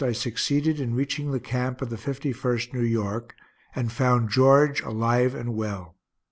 I succeeded in reaching the camp of the 51st New York, and found George alive and well.